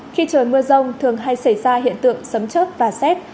khi trời mưa rông thường hay xảy ra hiện tượng sấm chớt và xét